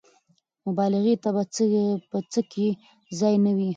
مبالغې ته به په کې ځای نه وي.